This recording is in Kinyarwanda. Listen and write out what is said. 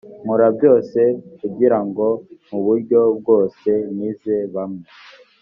nkora byose kugira ngo mu buryo bwose nkize bamwe